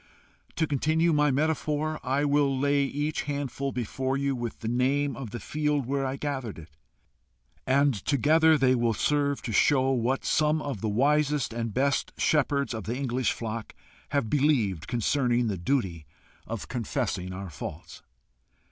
To continue my metaphor: I will lay each handful before you with the name of the field where I gathered it; and together they will serve to show what some of the wisest and best shepherds of the English flock have believed concerning the duty of confessing our faults."